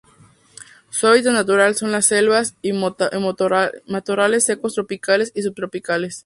Su hábitat natural son las selvas y matorrales secos tropicales y subtropicales.